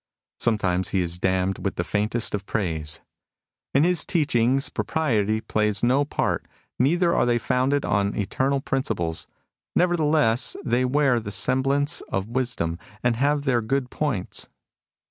Sometimes he is damned with the faintest of praise :*' In his teachings propriety plays no part, neither are they foimded on eternal prin ciples ; nevertheless, they wear the semblance of wisdom and have their good points."